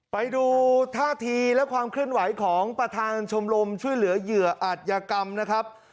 ไปดูท่าทีและความเคลื่อนไหวของประธานชมรมช่วยเหลือเหยื่ออัตยกรรมนะครับ